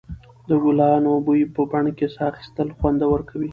د ګلانو بوی په بڼ کې ساه اخیستل خوندور کوي.